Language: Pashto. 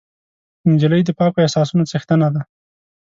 نجلۍ د پاکو احساسونو څښتنه ده.